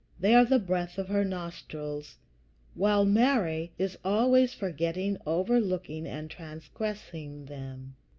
They are the breath of her nostrils, while Mary is always forgetting, overlooking, and transgressing them.